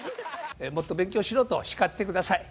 もっと勉強しろと叱ってください。